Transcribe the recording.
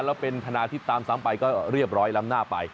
แล้วเป็นธนาทิพย์ตามซ้ำไปก็เรียบร้อยล้ำหน้าไป